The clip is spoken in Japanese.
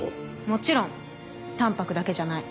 もちろんタンパクだけじゃない。